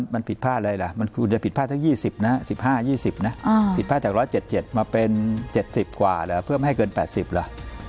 มันผิดพลาดอะไรล่ะมันควรจะผิดพลาดทั้ง๒๐นะ๑๕๒๐นะผิดพลาดจาก๑๗๗มาเป็น๗๐กว่าเหรอเพื่อไม่ให้เกิน๘๐ล่ะ